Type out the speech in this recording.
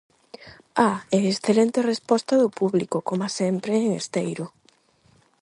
Ah, e excelente resposta do público, coma sempre en Esteiro.